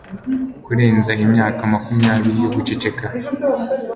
Kurenza imyaka makumyabiri yo guceceka